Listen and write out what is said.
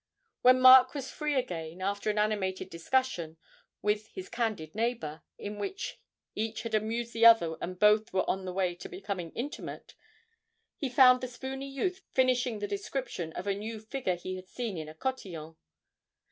When Mark was free again, after an animated discussion with his candid neighbour, in which each had amused the other and both were on the way to becoming intimate, he found the spoony youth finishing the description of a new figure he had seen in a cotillon.